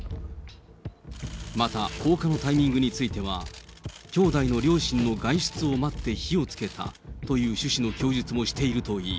また、放火のタイミングについては、兄弟の両親の外出を待って火をつけたという趣旨の供述もしているといい、